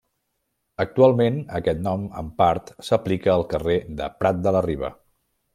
Actualment aquest nom en part s'aplica al carrer de Prat de la Riba.